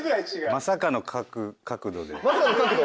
まさかの角度？